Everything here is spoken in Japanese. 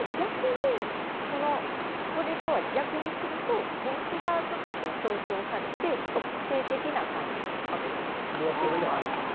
それとは逆にすると帽子がちょっと強調されて個性的な感じにかぶることができます。